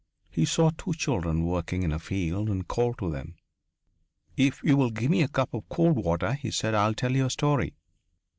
He saw two children working in a field, and called to them. "If you will give me a cup of cold water," he said, "I'll tell you a story."